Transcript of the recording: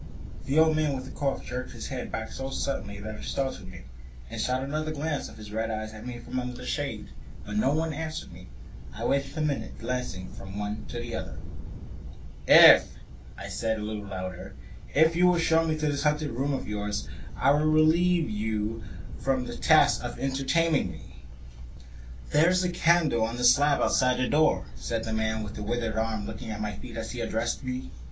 The old man with the cough jerked his head back so suddenly that it startled me, and shot another glance of his red eyes at me from out of the darkness under the shade, but no one answered me. I waited a minute, glancing from one to the other. The old woman stared like a dead body, glaring into the fire with lack lustre eyes. "If," I said, a little louder, "if you will show me to this haunted room of yours, I will relieve you from the task of entertaining me." "There's a candle on the slab outside the door," said the man with the withered hand, looking at my feet as he addressed me.